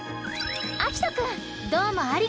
あきとくんどうもありがとう！